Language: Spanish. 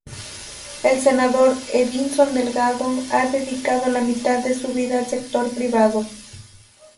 El Senador Edinson Delgado ha dedicado la mitad de su vida al sector privado.